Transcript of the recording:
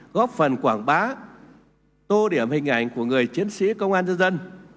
góp phần quảng bá tô điểm hình ảnh của người chiến sĩ công an dân dân